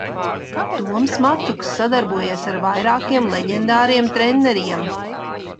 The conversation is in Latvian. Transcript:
Toms Macuks sadarbojies ar vairākiem leģendāriem treneriem.